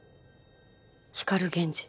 光源氏。